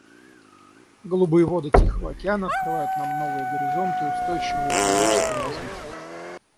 Голубые воды Тихого океана открывают нам новые горизонты устойчивого экономического развития.